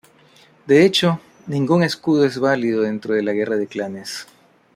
De hecho, ningún escudo es válido dentro de la guerra de clanes.